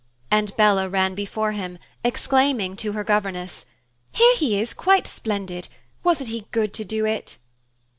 And Bella ran before him, exclaiming to her governess, "Here he is, quite splendid. Wasn't he good to do it?"